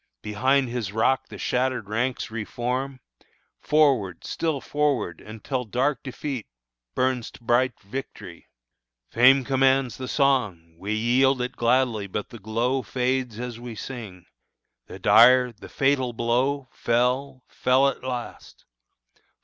Behind his rock the shattered ranks re form; Forward, still forward, until dark defeat Burns to bright victory! Fame commands The song; we yield it gladly; but the glow Fades as we sing. The dire, the fatal blow Fell, fell at last.